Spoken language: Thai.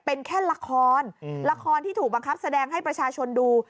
เป็นแค่ละครละครที่ถูกบังคับแสดงให้ประชาชนดู